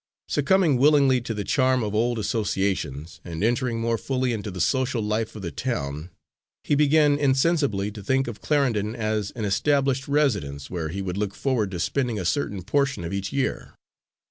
Succumbing willingly to the charm of old associations, and entering more fully into the social life of the town, he began insensibly to think of Clarendon as an established residence, where he would look forward to spending a certain portion of each year.